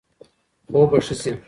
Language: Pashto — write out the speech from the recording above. خوب به ښه شي.